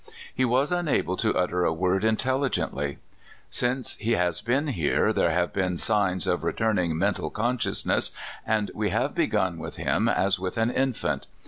He was unable to utter a word intelligently. Since he has been here there have been signs of returning mental consciousness, and we have be gun with him as with an infant.